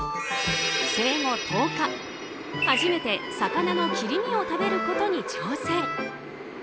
生後１０日、初めて魚の切り身を食べることに挑戦。